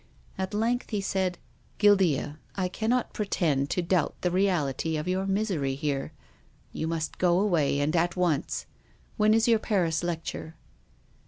At length he said, " Guildea, I cannot pretend to doubt the reality of your misery here. You must go away, and at once. When is your Paris lecture?"